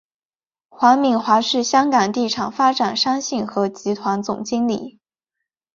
黄敏华是香港地产发展商信和集团总经理。